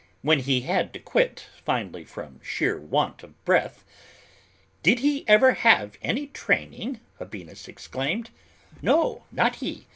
When he had to quit, finally, from sheer want of breath, "Did he ever have any training," Habinnas exclaimed, "no, not he!